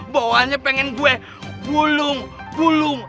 bawahnya pengen gue gulung gulung